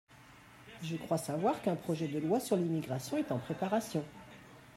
Je crois savoir qu’un projet de loi sur l’immigration est en préparation.